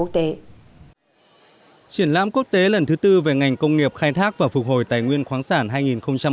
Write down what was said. triển lãm quốc tế lần thứ tư về ngành công nghiệp khai thác và phục hồi tài nguyên khoáng sản hai nghìn một mươi chín